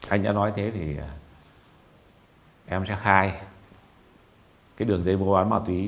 anh đã nói thế thì em sẽ khai cái đường dây vô án màu tí